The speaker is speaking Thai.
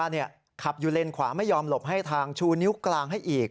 คือเธอบอกว่าขับอยู่เลนขวาไม่ยอมหลบให้ทางชูนิ้วกลางให้อีก